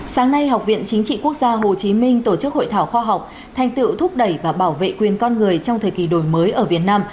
sáng nay học viện chính trị quốc gia hồ chí minh tổ chức hội thảo khoa học thành tựu thúc đẩy và bảo vệ quyền con người trong thời kỳ đổi mới ở việt nam